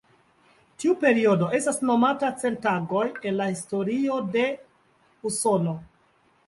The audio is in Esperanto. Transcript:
Tiu periodo estas nomata „cent tagoj” en la historio de Usono.